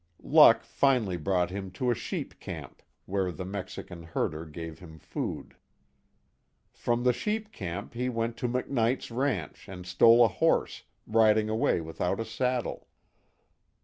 Luck finally brought him to a sheep camp, where the Mexican herder gave him food. From the sheep camp he went to McKnight's ranch and stole a horse, riding away without a saddle.